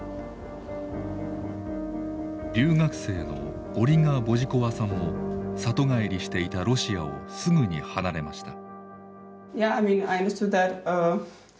留学生のオリガ・ボジコワさんも里帰りしていたロシアをすぐに離れました。